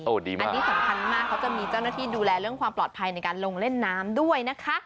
อันนี้สำคัญมากเขาจะมีเจ้าหน้าที่ดูแลเรื่องความปลอดภัยในการลงเล่นน้ำด้วยนะคะ